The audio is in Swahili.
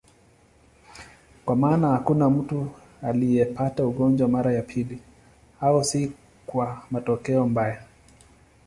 Kwa maana hakuna mtu aliyepata ugonjwa mara ya pili, au si kwa matokeo mbaya.